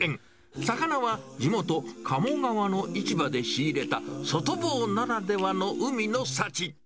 魚は地元、鴨川の市場で仕入れた、外房ならではの海の幸。